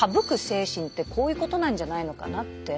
精神ってこういうことなんじゃないのかなって。